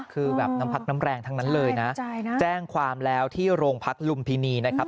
คือแบบน้ำพักน้ำแรงทั้งนั้นเลยนะแจ้งความแล้วที่โรงพักลุมพินีนะครับ